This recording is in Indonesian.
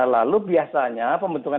lalu biasanya pembentukan